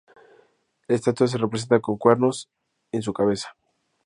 La estatua se representa con cuernos en su cabeza.